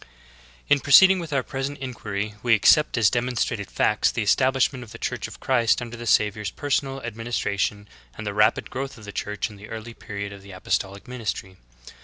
1. In proceeding with our present inquiry we accept as demonstrated facts the estabHshment of the Church of Christ under the Savior's personal administration and the rapid growth of the Church in the early period of the apostolic ministry.